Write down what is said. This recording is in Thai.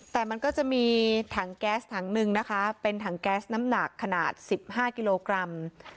แต่มันก็จะมีถังแก๊สถังหนึ่งนะคะเป็นถังแก๊สน้ำหนักขนาด๑๕กิโลกรัม